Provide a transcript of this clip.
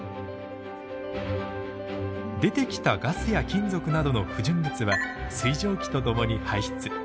出てきたガスや金属などの不純物は水蒸気とともに排出。